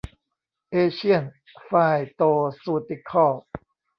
เอเชียน ไฟย์โตซูติคอลส์